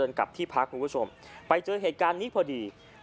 อีกที่คุณผู้ถ่ายเอาไว้